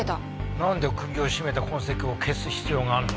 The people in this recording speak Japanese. なんで首を絞めた痕跡を消す必要があるの？